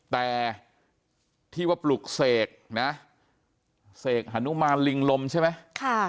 แต่ที่ว่าปลุกเสกนะเสกฮานุมานลิงลมใช่ไหม